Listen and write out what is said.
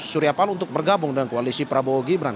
surya palo untuk bergabung dengan koalisi prabowo gibran